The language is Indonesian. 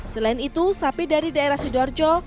selain itu sapi dari daerah sidoarjo